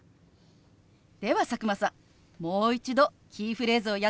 では佐久間さんもう一度キーフレーズをやってみましょう。